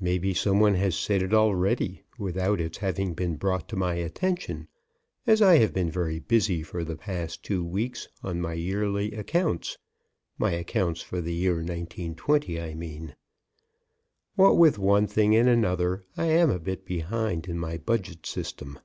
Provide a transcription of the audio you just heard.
Maybe some one has said it already, without its having been brought to my attention, as I have been very busy for the past two weeks on my yearly accounts (my accounts for the year 1920, I mean. What with one thing and another, I am a bit behind in my budget system).